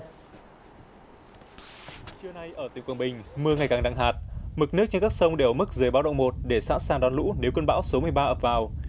trưa nay ở tỉnh quảng bình mưa ngày càng nặng hạt mực nước trên các sông đều ở mức dưới báo động một để sẵn sàng đón lũ nếu cơn bão số một mươi ba ập vào